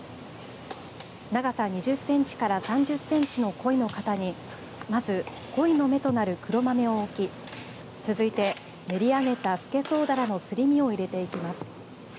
長さ２０センチから３０センチのこいの型に、まずこいの目となる黒豆を置き続いて、練り上げたスケソウダラのすり身を入れていきます。